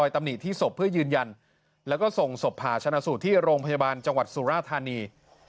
ตำหนิที่ศพเพื่อยืนยันแล้วก็ส่งศพผ่าชนะสูตรที่โรงพยาบาลจังหวัดสุราธานี